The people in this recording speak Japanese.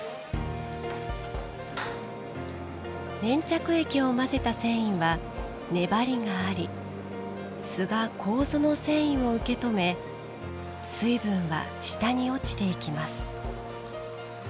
粘着液を混ぜた繊維は粘りがあり簀が、楮の繊維を受け止め水分は下に落ちていきます。